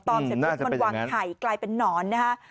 เสร็จปุ๊บมันวางไข่กลายเป็นนอนนะฮะ